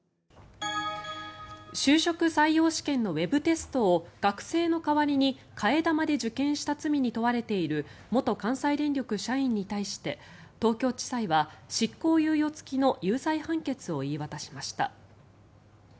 就職採用試験のウェブテストを学生の代わりに替え玉で受験した罪に問われている元関西電力社員に対して東京地裁は執行猶予付きの有罪判決を言い渡しました。